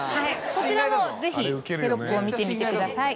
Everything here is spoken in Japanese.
こちらもぜひテロップを見てみてください。